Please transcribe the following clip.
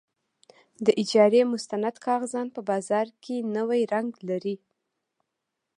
د اجارې مستند کاغذات په بازار کې نوی رنګ لري.